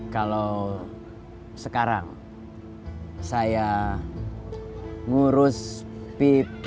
kalau sekarang saya ngurus pp